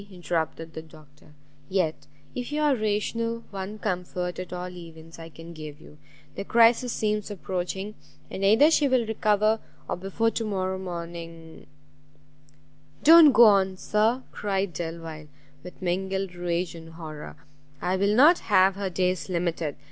interrupted the Doctor; "yet, if you are rational, one comfort, at all events, I can give you; the crisis seems approaching, and either she will recover, or before to morrow morning" "Don't go on, Sir!" cried Delvile, with mingled rage and horror, "I will not have her days limited!